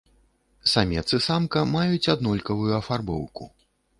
Самец і самка маюць аднолькавую афарбоўку.